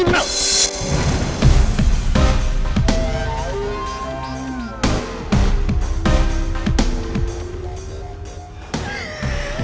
berani lo pas